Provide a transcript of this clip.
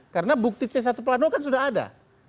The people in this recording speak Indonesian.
karena bukti c satu plano kan sudah ada